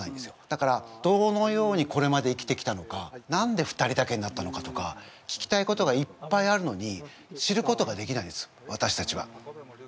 だからどのようにこれまで生きてきたのか何で２人だけになったのかとか聞きたいことがいっぱいあるのに知ることができないんですわたしたちは。